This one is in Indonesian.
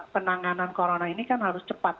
penanganan corona ini kan harus cepat